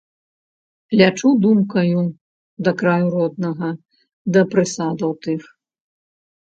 Лячу думкаю да краю роднага, да прысадаў тых.